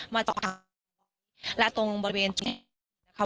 มาต่อกันและตรงบริเวณจุดนี้นะคะ